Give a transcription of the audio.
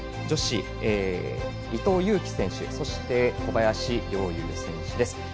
女子、伊藤有希選手そして、小林陵侑選手です。